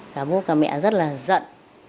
cả bố cả mẹ rất là giận